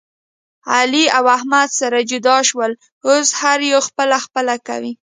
علي او احمد سره جدا شول. اوس هر یو خپله خپله کوي.